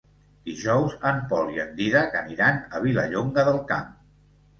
Dijous en Pol i en Dídac aniran a Vilallonga del Camp.